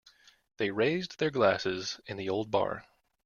They raised their glasses in the old bar.